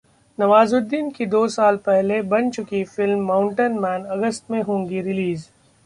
नवाजुद्दीन की दो साल पहले बन चुकी फिल्म 'माउंटेन मैन' अगस्त में होगी रिलीज